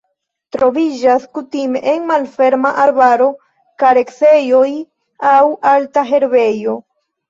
Troviĝas kutime en malferma arbaro, kareksejoj aŭ alta herbejo.